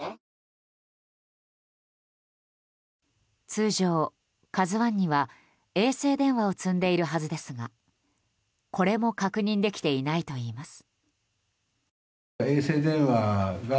通常、「ＫＡＺＵ１」には衛星電話を積んでいるはずですがこれも確認できていないといいます。